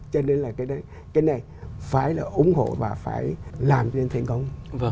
cho nên là cái này phải là ủng hộ và phải làm cho nên thành công